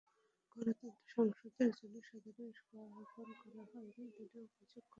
গঠনতন্ত্র সংশোধনের জন্য সাধারণ সভা আহ্বান করা হয়নি বলেও অভিযোগ করেন তিনি।